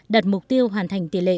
đặt mục tiêu hoàn thành tỷ lệ